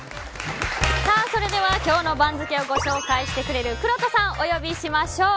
それでは今日の番付をご紹介してくれるくろうとさん、お呼びしましょう。